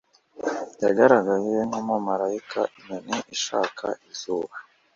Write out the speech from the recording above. yagaragaye nku mumarayika inyoni ishaka izuba